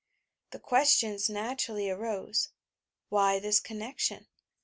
The questions natu rally arose, "Why this connection?